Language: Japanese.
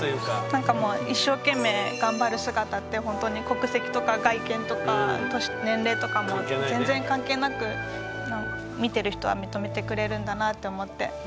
なんかもう一生懸命がんばる姿ってほんとに国籍とか外見とか年齢とかも全然関係なく見てる人は認めてくれるんだなって思って。